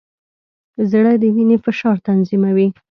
زړه د وینې فشار تنظیموي.